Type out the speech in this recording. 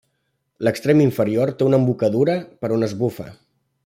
L'extrem inferior té una embocadura per on es bufa.